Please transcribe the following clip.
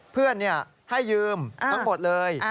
เพื่อนให้ยืมทั้งหมดเลย